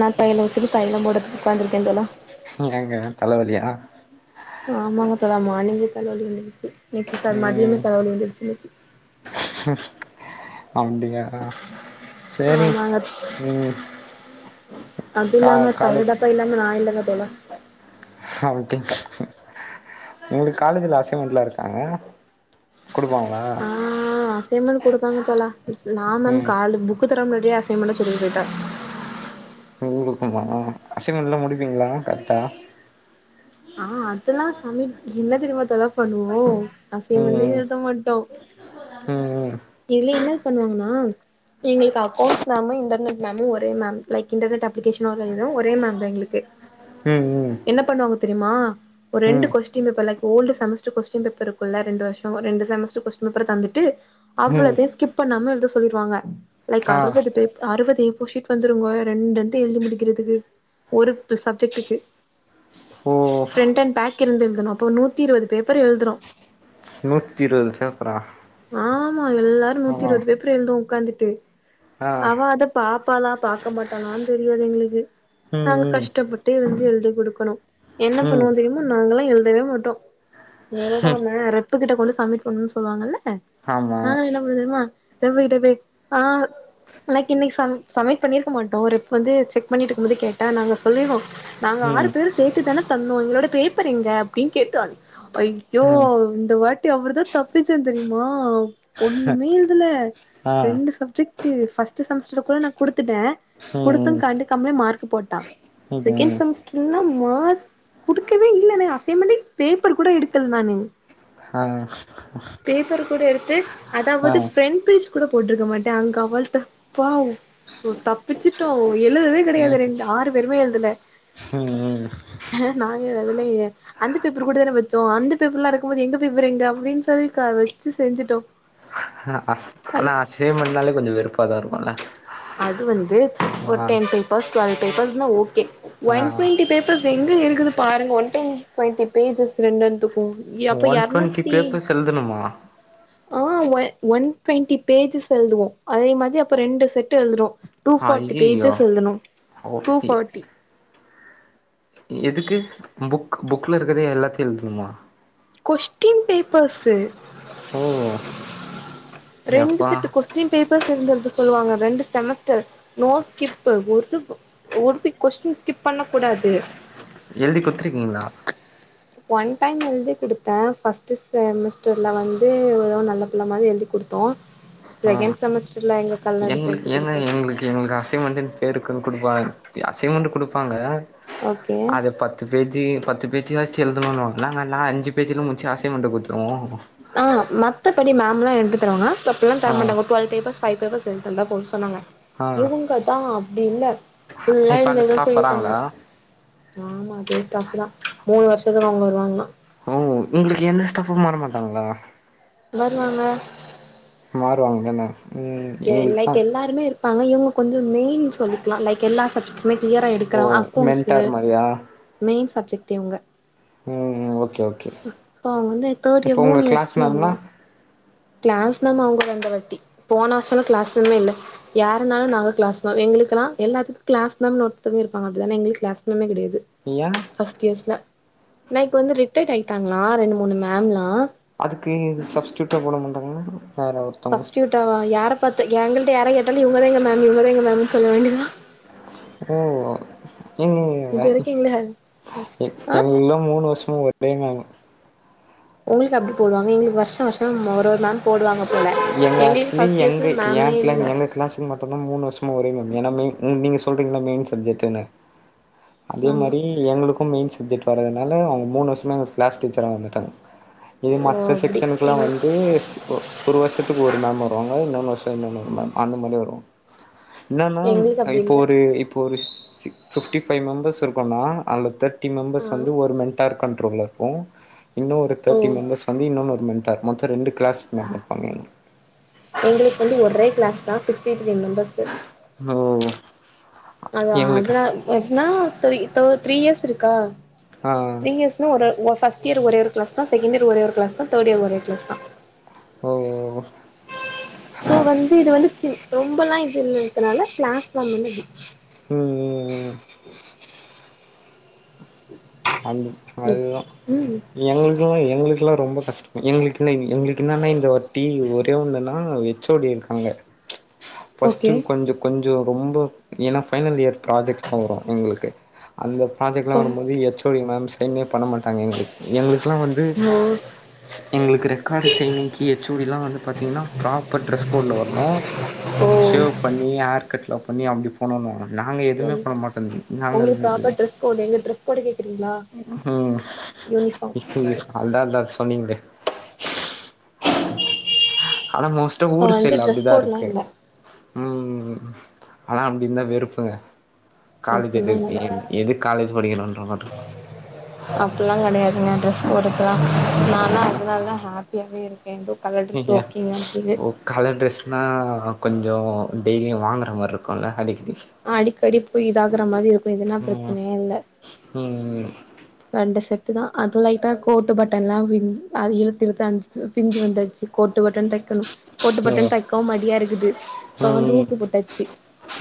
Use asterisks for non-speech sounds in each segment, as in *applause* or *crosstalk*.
நா தாயைலோ வச்சுனு தாயைலோ போட்றதுக்கு உக்காந்துருக்கே தோழா ஏங்க தலவலியா ஆமாங்க தோழா மார்நிங்கே தலவலி வந்துருச்சு இன்னிக்கு சார் மதியானமே ம் தலவலி வந்துருச்சி இன்னிக்கி அப்டியா சேரிங் ஆமாங்க ம் அது கா இல்லாம தைல காலேஜ் டப்பா இல்லாம நா இல்லங்க தோழா அப்டி உங்களுக்கு காலெஜ்ல அசைன்மென்ட்ல்லா இருக்காங்க குடுப்பாங்களா ஆ அசைன்மெண்ட் குடுப்பாங்க தோலா நா மேம் ம் கால்ல புக்கு தெரக்க முன்னாடியே அசைமெண்டா சொல்லிட்டு போய்ட்டா உங்ளுக்குமா அசைன்ட்மெண்ட்லா முடிப்பீங்களா கரெட்டா ஆ அதெல்லா சம்மிட் என்ன தெரியுமா தலை பண்ணுவோ அசைன்மெண்டே ம் எழுத மாட்டோ ம் இதுல என்னாத் பண்ணுவாங்கண்ணா எங்களுக்கு அக்கௌண்ட்ஸ் மேமும் இன்டர்நெட் மேமும் ஒரே மேம் லைக் இன்டர்நெட் அப்ளிகேஷன் உள்ள இதும் ஒரே மேம் தா எங்ளுக்கு ம் ம் என்ன பண்ணுவாங்க தெரிமா ஒரு ரெண்டு ம் question paper like old semester question paper இருக்குல்ல ரெண்டு வருஷம் ரெண்டு செமஸ்டர் கொஸ்டின் பேப்பர் தந்துட்டு ம் அவ்ளத்தையு ஸ்கிப் பண்ணாம எழுத சொல்லிருவாங்க லைக் ஆ அறுபது பேப் அறுபது ஏஃபோர் ஷீட் வந்துருங்கோ ரெண்டுத்தையு எழுதி முடிக்கிறதுக்கு ஒரு சப்ஜெக்டுக்கு ஓ பிரண்ட் அண்ட் பேக் இருந்து எழுதணு அப்போ நூத்தி இருபது பேப்பர் எழுதணு நூத்தி இருவது பேப்பரா ஆமா எல்லாரு நூத்தி ஆ இருபது பேப்பர் எழுதுவோ உக்காந்துட்டு ஆ அவ அத பாப்பாளா பாக்க மாட்டாளான்னு தெரியாது எங்களுக்கு ம் நாங்க ம் கஷ்டப்பட்டு எழ்தி எழுது குடுக்கணு என்ன ம் பண்ணுவோ தெரிமா நாங்கல்லா எழுதவே மாட்டோ ம் எழுதாம ரெப்பு கிட்ட கொண்டு சப்மிட் பண்ணுன்னு சொல்வாங்கல்ல ஆமா நாங்கள்லா என்ன பண்ணுவோ தெரியுமா ரெப்பு கிட்ட போய் ஆ ஆனாக்கு இன்னைக்கு சப் சப்மிட் பண்ணிருக்க மாட்டோம் ஒரு ரெப் வந்து செக் பண்ணிட்டு இருக்கும்போது கேட்டா நாங்க சொல்லிடுவோ நாங்க ம் ஆறு பேரு சேத்து தானே தந்தோ எங்களோட பேப்பர் எங்க அப்டீன்னு கேட்டு அழு ஐயோ ம் இந்த வாட்டி அவ்ருதா தப்பிச்சே தெரியுமா ஒண்ணுமே எழுதல ஆ ரெண்டு சப்ஜெக்ட் டு ஃபர்ஸ்டு செமஸ்டருகுள்ள நா குடுத்துட்டே ம் குடுத்துங் கண்டுக்காமலே மார்க்கு போட்டா ம் செகெண்ட் ம் செம்ஸ்ட்ருனா மார்க் குடுக்கவே இல்லேன அசைன்மெண்ட்டே பேப்பர் கூட எடுக்கல் நானு ஆ பேப்பர் கூட எடுத்து அதாவது ஆ ஃபிரண்ட் பேஜ் கூட போட்டிருக்க மாட்டே அங்க அவள்ட்ட பாவ் போ தப்பிச்சிட்டோ எழுதவே ம் கெடையாது ரெண்டு ஆறு பேருமே எழுதல ம் ம் ஏனா நாங்க வெலலயே அந்த பேப்பர் கூடனே வெச்சோ அந்த பேப்பர் எல்லா இருக்கும் போது எங்க பேப்பர் எங்க அப்டின் சொல் க வெச்சி செஞ்சிட்டோ ஹா அஸ் ஆனா அசைமெண்ட்னாலே கொஞ்ச வெறுப்பா தா இருக்குல்ல அது வந்து ஒரு ஆ டென் பேப்பர்ஸ் டுவல் பேப்பர்ஸ்னா ஓகே ஆ வன்ட்டுவெண்ட்டி பேப்பர்ஸ் எங்க இருக்குது பாருங்க வன்டென் ட்வெண்ட்டி பேஜ்ஜஸ் ரெண்டென்த்துக்கு யப்பா ஒன் டுவெண்ட்டி யற்நூத்தி பேப்பர்ஸ் எழுதணுமா ஆ வெ வன் ட்வெண்டி பேஜ்ஜஸ் எல்துவோ அதே மாதி அப்ப ரெண்டு செட்டு எல்துறோ டூ ஃபாட்டி ஐயையோ பேஜ்ஜஸ் எல்தணு ஓகே டூஃபாட்டி எதுக்கு புக் புக்ல இருக்குதே எல்லாத்தையு எல்துண்மா கொஷ்டின் பேப்பர்ஸு ஓ ரெண்டு எப்பா ஸெட்டு கொஸ் ட்டீன் பேப்பர்ஸ் இருந்து எல்த சொல்லுவாங்க ரெண்டு செமஸ்டர் நோ ஸ்கிப்பு ஒரு பு ஒருத்தி கொஸ்டின் ஸ்கிப் பண்ணக் கூடாது எழுதி குட்த்ருக்கீங்ளா வன் டைம் எல்தி குடுத்தே ஃபஸ்ட்டு செமஸ்டர்ல வந்து வெறு நல்ல பிள்ள மாதி எல்தி குடுத்தோ *inaudible* செகெண் செமஸ்டர்ல எங்க கல்நாடு தெடுத்து குடுத்தாச்சு எங்ளுக்கு அசைன்மெண்டுன் பேருக்கு குடுப்பாங் எ அசைன்மண்ட்டு குடுப்பாங்க ஓகே அதே பத் து பேத்தி பத்து பேஜியாச்சு எல்தணுன்வாங் நாங்க நா அஞ்சு பேஜிலும் முச்சி அசைன்மண்ட்ட குட்த்ரு ஆ மத்தபடி மேம்ல்லா எப்டு தருவாங்க தப்பெல்லா தர ஆ மாட்டாங்கோ டுவல் பேப்பர்ஸ் ஃபைவ் பேப்பர்ஸ் எல்தந்தா போது சொன்னாங்க ஆ இவுங்க தா அப்டி இல்ல ஃபுல்லா இப்ப அந்த எல்ததா ஸ்டாஃப் சொல்லிர்க்காங்க வராங்களா ஆமா அதே ஸ்டாஃபு தா மூணு வருஷத்துக்கு அவ்ங் வருவாங்ளா ஓ உங்ளுக்கு எந்த ஸ்டாஃப்பு மாற மாட்டாங்ளா வருவாங்க மாறுவாங்தனே ஏ லைக் எல்லார்மே இருப்பாங்க இவுங்க கொஞ்சோ மெய்ன் சொல்லிக்கலா லைக் எல்லா சப்ஜெட் வெய் க்ளியரா ஓ எடுக்கறா அக்கோண்ஸு மென்டார் மாரியா மெய்ன் சப்ஜெட் தேவுங்க ம் ஓகே ஓகே அ சோ அவ்ங் வந்து தேட் இப்போ இயர் உங்க மூணு கிளாஸ் மேம்னா யஸ்பூமூ க்ளாஸ் மேம் அவுங்கதா இந்த வட்டி போன வஷல்லா க்ளாஸ் மேமே இல்ல யாருனாலு நாங்க க்ளாஸ்மா எங்களுக்கல்லா எல்லாத்துக்கு க்ளாஸ்மேம்னு ஒருத்தங்க இருப்பாங்க அப்டிதானே எங்களுக் க்ளாஸ் மேம்மே கிடையாது ய ஃபஸ்ட் இயர்ஸ்ல நைக் வந்து ரிட்டைட் ஆய்ட்டாங்ளா ரெண்டு மூணு மேம்லா அதுக்கு இது சப்ஸ்டியூட்டா போட மாட்டாங்ள வேற ஒருத் ஃபஸ்ட்டியூட்டாவா யார பாத்து எங்கள்ட்ட யார கேட்டாலு இவங்கதா எங்க மேம்மு இவங்கதா எங்க மேம்முன் சொல்ல வேண்டிதா ஓ எங்கிங்க இது எவ வரைக்கு எங்கள ஃபர்ஸ்ட் எ ஆ எங்ல்லா மூணு வருஷமு ஒரே மேம்மு உங்ளுக்கு அப்டி போடுவாங்க எங்ளுக்கு வர்ஷ வர்ஷம் ஒரு ஒரு மேம் போடுவாங்கப் எங்க ஆக்சுலி எங்க ஏ க்ளைன் இல்ல எங்க க்ளாஸ் திங் மட்டுன்தா மூணு வர்ஷமா ஒரே மேம் ஏன்னா மெய் இன் நீங்க சொல்றீங்ள மெய்ன் சப்ஜெட்டுன்னு அதே ஆமா மாரி எங்களுக்கும் மெய்ன் சப்ஜெட் வர்றதுனால அவு மூணு வர்ஷமா எங்ளுக் க்ளாஸ் டீச்சரா வந்துட்டாங் இது ஓ மத்த அப்டி செக்ஷனுக்லா எங் வந்து ஸ் போ ப்ரோ வருஷத்துக்கு ஒரு மேம் வருவாங்க இன்னொன் வர்ஷோ இன்னொன் வரு மேம் அந்த மாதி வருவாங் என்னன்னாம் எங்களுக்கு அப்டி இப்போ இல்ல ஒரு இப்போ ஒரு ஸ் ஸி ஃபிஃப்ட்டி ஃபைவ் மெம்பர்ஸ் இருக்கோனா அல தட்டி மெம்பர்ஸ் ஆ வந்து ஒரு மென்ட்டார் கண்ட்ரோல இர்க்கு இன்னு ஒரு ஓ தாட்டி மெம்பர்ஸ் வந்து இன்னொம் ஒரு மெண்ட்டார் மொத்த ரெண்டு க்ளாஸ்மே இர்ப்பாங்க எங்குளுக்கு எங்ளுக் வந்து ஒரே க்ளாஸ் தா சிக்ஸ்டித்ரீ மெம்பர்சு ஹலோ அத அதுனா *unintelligible* த்ரீ த்ரீ இயர்ஸ் இருக்கா ஆ த்ரீ இயர்ஸ் இன்னு ஒரு ஃப்ஸ்ட் இயர் ஒரே ஒரு க்ளாஸ் தா செகண்ட் இயர் ஒரே ஒரு க்ளாஸ் தா தேர்டு இயர் ஒரே ஒரு க்ளாஸ் தா ஓ ஓ ஓ சோ வந்து இது வந்து சி ரொம்பல்லா இது இல்லங்கறதால க்ளாஸ் ஃபாம் வந்து அப்டி ம் ம் அந்த ம் அதுதா ம் எங்களுக்கெல்லா எங்களுக்கெல்லா ரொம்ப கஷ்டோ எங்களுக்கு என்ன எங்களுக்கு என்னென்னா இந்த வாட்டி ஒரே ஒன்னுனா ஹெச் ஓ டி இருக்காங்க ஃபஸ்ட்டு ஓகே கொஞ்சோ கொஞ்சோ ரொம்ப ஏனா ஃபைனல் இயர் ப்ராஜெக்ட்லா வரு எங்களுக்கு அந்த ப்ராஜெக்ட்ல்லா ஓ வரும்போது ஹெச் ஓ டி மேம் சைனே பண்ண மாட் டாங்க எங்ளுக் எங்களுக்கெல்லா வந்து ஓ எங்களுக்கு ரெக்கார்டு சைனிங்க்கு ஹெச் ஓ டி ல்லா வந்து பாத்தீங்கன்னா ப்ராப்பர் ட்ரெஸ் கோட்ல வருணு ஓ ஷேவ் பண்ணி ஹேர் கட்லா பண்ணி அப்டி போண்ணணு நாங்க எதுமே ம் பண்ண மாட்டோ நாங்க உங்களுக்கு இ ப்ராப்பர் ட்ரெஸ் கோடு எங்க ட்ரஸ் கோட்டு கேக்குறீங்ளா ம் அதா அதா சொன்னீங்ளே ஆனா மோஸ்டா சோ ஊரு வந்து சைட்ல ட்ரெஸ் அப்டிதா கோட்லா இருக்கு இல்ல ம் ம் ம் ஆனா அப்டிருந்தா வெறுப்புங்க அப்புல்லா இல்ல *unintelligible* எதுக் காலேஜ் படிக்கணுன்ற மார்ருக்கு அப்ல்லா கெடையாதுங்க டிரஸ் போட்றதல்லா நாலா ஆ அதனால தா ஹேப்பியாவே இருக்கே எதோ கலர் டிரஸ் ஏ ஓகேங்க அப்டி ஓ *unintelligible* கலர் ட்ரெஸ்னா கொஞ்சோ டெய்லியு வாங்கற மார்ருக்குல்ல அடிக்கடி அடிக்கடி போய் இதாகுற மாரி இருக்கு இதுன்னா ம் பிரச்சனயே இல்ல ம் ரெண்டு செட்டு தா அது லைட்டா கோட்டு பட்டன்ல்லா அது இழுத் இழுத்து அஞ்சி பிஞ்சி வந்துருச்சி கோட்டு பட்டன் தை க்கணு ஓ கோட்டுப்பட்டன் தைக்கவு மடியா இருக்குது சோ வந்து ம் ஊக்கு போட்டாச்சி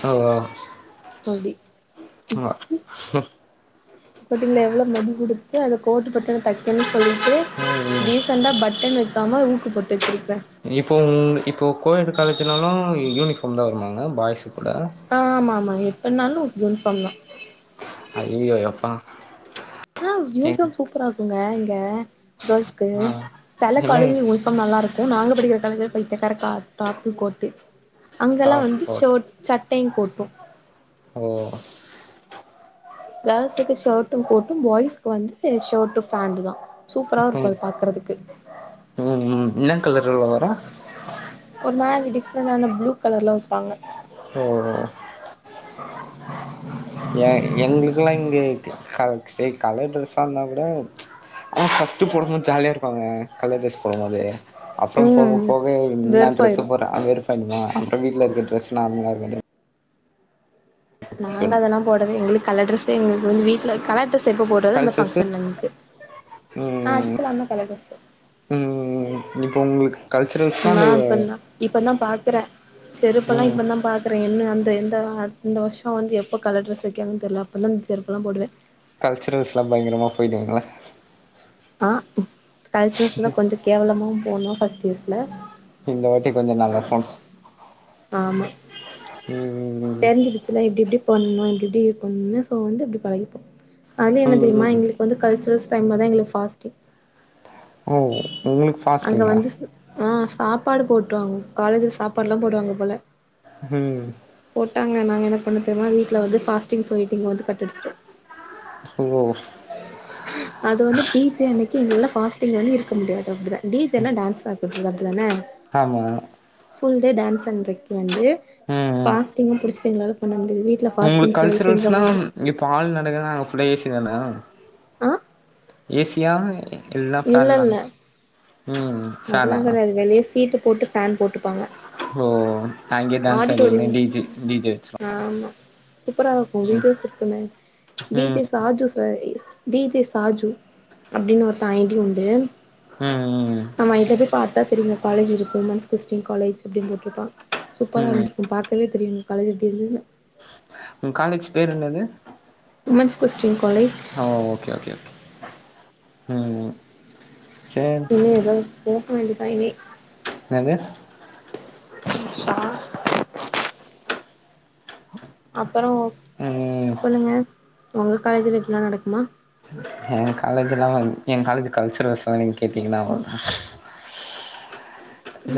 ஓ அப்டி *unintelligible* பாத்தீங்களா எவ்ளோவு மடி குடுத்து அத கோர்ட்டு பட்டன் தைக்கன்னு சொல்லி ட்டு ம் ம் டீசண்டா பட்டன் வெக்காம ஊக்கு போட்டு வெச்சிருக்கே இப்போ இப்போ கோயடு காலேஜ்னாலு யூனிஃபார்ம் தா வருமாங்க பாய்சுக் கூட ஆ ஆமா ஆமா எப்பனாலு யூனிஃபார்ம் தா அய்யயோ எப்பா ஆ எங் யூனிஃபார்ம் சூப்பரா இருக்குங்க இங்க கேர்ள்ஸ்க்கு ஆ செல என்ன காலேஜ் யூ னிபார்ம் நல்லாருக்கு நாங்க படிக்கிற காலேஜ்ல பைத்தியக்கார கா டாப்பு கோட்டு அங்கெல்லா டாப் வந்து போட் ஷோட் சட்டையு கோட்டு ஓ கேர்ள்ஸுக்கு ஷர்ட்டு கோட்டு பாய்ஸ்க்கு வந்து ஷர்ட்டு பேண்டு தா சூப்பரா இருக்கு அத பாக்கறதுக்கு ம் ம் என்ன கலர்ல வரு ஒரு மாரி டிஃப்ரெண்டான ப்ளூ கலர்ல வெப்பாங்க ஓ செரி கலர் ட்ரெஸ்ஸா இருந்தாகூட ஆ ஃபஸ்ட்டு போடும்போ ஜாலியா இருப்பாங்க கலர் டிரஸ் போடும்மோது அப்புறோ போக ம் போக என்ன டிரெஸ் வெறுப்பாயிரு போற வெறுஃமா அப்புறோ வீட்டுல இருக்க டிரெஸ் நார்மலா இருக்க நாங்க போயிடு அதெல்லா போடுவே எங்களுக்கு கலர் ட்ரஸ் எங்களுக்கு வந்து வீட்ல கலர் டிரெஸ் எப்ப போட்டாலு இந்த கல்ச்சர்ஸு பங்க்ஷன் இருக்கு அ அதுக்கெல்லா என்னா கலர் டிரஸ் ம் ம் ம் ம் நீ போனுன் இருக்கு நா இப்பதா இப்பதா பாக்குறே செருப்பல்லா ம் இப்பதா பாக் அப்புறோ என்ன வந்து எந்த இந்த வர்ஷோ வந்து எப்போ கலர் டிரஸ் வெக்குறாங்கன் தெர்ல அப்பனா செருப்பலா போடுவே கல்ச்சுரல்ஸ்லா பயங்கரமா போய்டுவீங்கள்ல ஆ கல்ச்சுரல்ஸ்லா கொஞ்சோ கேவலமாவு போணோ ஃபஸ்ட் இயர்ஸ்ல இந்த வாட்டி கொஞ்சோ நல்லா பண் ஆமா ம் தெரிஞ்சுடுச்சுல எப்டி எப்டி பண்ணணு எப்டி எப்டி இருக்கணுனு சோ வந்து அப்டி பழகிப்போ அதுல ம் என்ன ம் தெரியுமா ம் எங்களுக்கு வந்து கல்ச்சுரல்ஸ் டைம்லதா எங்குளுக்கு பாஸ்டிங் ஓ உங்களுக்கு அங்க ஃபாஸ்டிங்கா வந்து ஆ சாப்பாடு போட்ருவாங்க காலேஜுல சாப்பாடுலா போடுவாங்க போல ம் போட்டாங்க நாங்க என்ன பண்ணோ தெரியுமா வீட்ல வந்து ஃபாஸ்ட்டிங் சொல்ட்டு இங்க வந்து கட்டடிச்சிட்டோ ஓ அது வந்து டீச்டே அன்னிக்கு எங்கலலா பாஸ்ட்டிங் வந்து இருக்க முடியாது அப்டிதா டீ ஜேனா டான்ஸ் ஆட்டுறது அப்டிதானே ஆமா ஃபுல் டே டான்ஸ் அன்றைக்கு வந்து ம் பாஸ்டிங்கும் புடிச்சுட்டு எங்களால பண்ண முடியாது வீட்ல பாஸ்டிங் சொல்லிட்டு இங்க வந்து இங்க பால் நடக்குதுனா அங்க ஃபுல்லா ஏசிதான ஆ ஏசியா இல்ல ஃபேனா ம் அதெல்லா ஃபேனா கடையாது வெளியே சீட்டு போட்டு ஃபேன் போட்ருப்பாங்க ஓ அங்கே டான்ஸ் ஆடினு டி ஜே டி ஜே வெச்சுரு ஆமா சூப்பரா இருக்கு வீடியோஸ் இருக்குன்னு டீ ஜே ம் சாஜூ ச டி ஜே சாஜு அப்டின்னு ஒருத்த ஐ டி உண்டு ம் ம் ஆ இப்ப போய் பாத்தா தெரியு காலேஜ் இருக்கு உமென்ஸ் கிறிஸ்டின் காலேஜ் அப்டின் போட்ருப்பா சூப்பரா ம் இருக்கு பாத்தாலே தெரியு எங்க காலேஜ் எப்டி இருந்ததுனு உங் காலேஜ் பேர் என்னது உமென்ஸ் கிறிஸ்டின் காலேஜ் ஆ ஓகே ஓகே ஓகே ம் சேர் இனோ எதோ போக வேண்டிதா இனி என்னது ஷா அப்பறோ ம் சொல்லுங்க உங்க காலேஜுல இப்டிலா நடக்குமா எங் காலேஜ்லா வந்து எங் காலேஜ் கல்ச்சுரல்ஸ்லா நீங்க கேட்டீங்கனா அவ்ளதா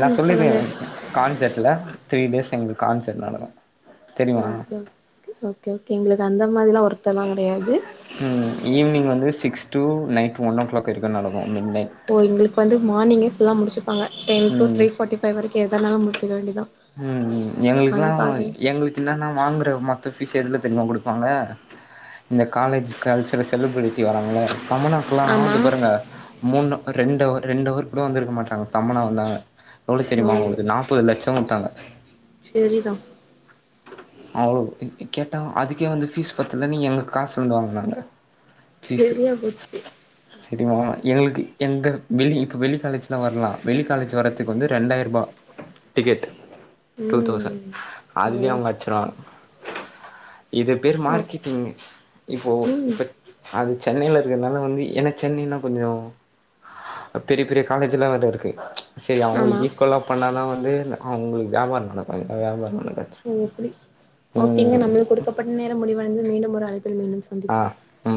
நா சொல்லினே சொல்லுங்க கான்செட்ல த்ரீ டேஸ் எங்களுக்கு கான்செட் நடக் ஓகே ஓகே ஓகே ஓகே எங்களுக்கு அந்த மாரிலா ஒர்த்துலா கடையாது ம் ஈவினிங் வந்து six to night one o'clock வரிக்கு நடக்கு மிட் நைட் ஓ எங்களுக்கு வந்து மார்னிங்கே ஃபுல்லா முடிச்சுப்பாங்க டென் டு ம் த்ரீ ஃபார்டி ஃபை வரைக்கு எதனாலு முடிச்சுக்க வேண்டிதா ம் எங்களுக்கெல்லா எங்களுக்கு என்னென்னா வாங்குற மத்த ஃபீஸ் எதுல தெரிமா குடுப்பாங்க இந்த காலேஜ் கல்ச்சுரல் செலிபிரிட்டி வராங்கள தமனா க்குல்லா ஆமா இந்த பாருங்க மூனு ரெண்டு அவர் ரெண்டு அவர் கூட வந்திருக்க மாட்டாங்க தமன்னா வந்தாங்க எவ்ளோ ஓ தெரியுமா அவங்களுக்கு நாப்பது லட்சொ குடுத்தாங்க செரி தா அவ்ளு ம் ம் கேட்டா அதுக்கே வந்து ஃபீஸ் பத்துலனு எங்க காசுல இருந்து வாங்குனாங்க செரியா போச்சு தெரியுமா எங்களுக்கு எந்த வெளி இப்ப வெளி காலேஜ்க்குலா வர்லா வெளி காலேஜ் வரதுக்கு வந்து ரெண்டாயிரூபா டிக்கெட் டூ தௌசன் ம் ஓ அதுலே அவங்க அடிச்சிருவாங்க இது பேரு ஓ மார்க்கெட்டிங் இப்போ ம் இப்ப அது சென்னைல இருக்கனால வந்து எனக் சென்னைன்னா கொஞ்சோ பெரிய பெரிய காலேஜ்ல்லா வேற இருக்கு செரி ஆமா அவங்களுக்கு ஈக்குவலா பண்ணா தா வந்து அவங்களுக்கு வியாபார நடக்கு இல்லனா வியாபார நடக்காது ஒ அப்டி ஓகேங்க நம்ளுக்கு ம் குடுக்கப்பட்ட நேரம் முடிவடைந்தது மீண்டும் ஒரு அழைப்பில் மீண்டும் ச ஆ ம்